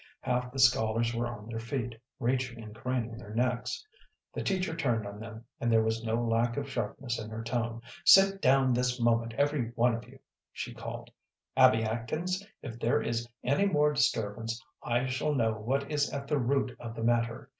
Half the scholars were on their feet, reaching and craning their necks. The teacher turned on them, and there was no lack of sharpness in her tone. "Sit down this moment, every one of you," she called. "Abby Atkins, if there is any more disturbance, I shall know what is at the root of the matter.